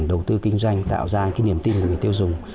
đầu tư kinh doanh tạo ra cái niềm tin của người tiêu dùng